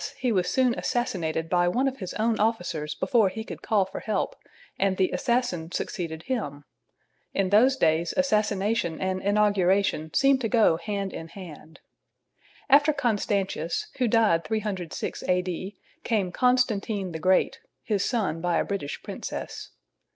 he was soon assassinated by one of his own officers before he could call for help, and the assassin succeeded him. In those days assassination and inauguration seemed to go hand in hand. [Illustration: ASSASSINATION OF CARAUSIUS.] After Constantius, who died 306 A.D., came Constantine the Great, his son by a British princess.